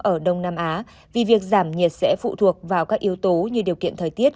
ở đông nam á vì việc giảm nhiệt sẽ phụ thuộc vào các yếu tố như điều kiện thời tiết